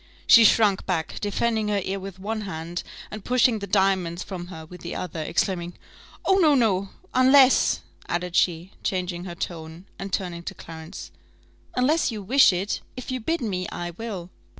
She shrunk back, defending her ear with one hand, and pushing the diamonds from her with the other, exclaiming, "Oh, no, no! unless," added she, changing her tone, and turning to Clarence, "unless you wish it: if you bid me, I will."